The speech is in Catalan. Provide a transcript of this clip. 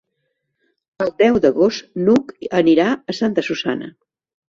El deu d'agost n'Hug anirà a Santa Susanna.